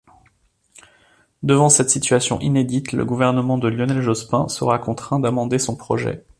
Devant cette situation inédite, le gouvernement de Lionel Jospin sera contraint d'amender son projet.